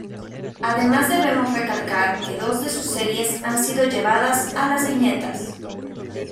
Además debemos recalcar que dos de sus series han sido llevadas a las viñetas.